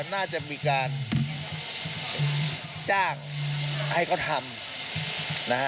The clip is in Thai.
ผมก็คิดว่าน่าจะมีการจ้างให้เขาทำนะฮะ